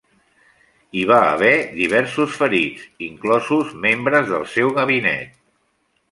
Hi va haver més diversos ferits, inclosos membres del seu gabinet.